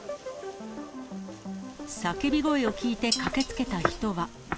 叫び声を聞いて駆けつけた人は。